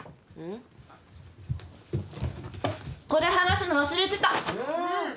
うん？